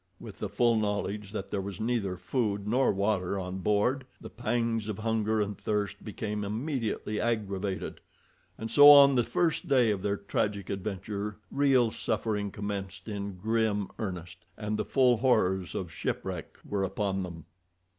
With the full knowledge that there was neither food nor water on board, the pangs of hunger and thirst became immediately aggravated, and so on the first day of their tragic adventure real suffering commenced in grim earnest, and the full horrors of shipwreck were upon them.